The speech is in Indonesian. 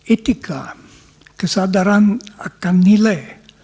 etika kesadaran akan nilai